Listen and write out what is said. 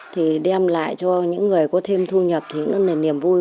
thì đem lại cho những người có thêm thu nhập thì nó là niềm vui